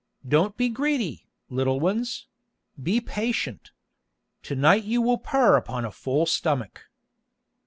Don't be greedy, little ones—be patient. To night you will purr upon a full stomach."